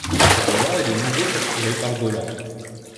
Roland est de nouveau capturé par Boland.